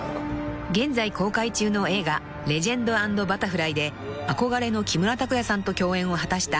［現在公開中の映画『レジェンド＆バタフライ』で憧れの木村拓哉さんと共演を果たした伊藤英明さん］